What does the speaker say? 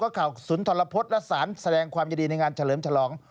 เขาเข่าศูนย์ทรพจน์และศาลแสดงความยดีในงานเฉลิมฉลอง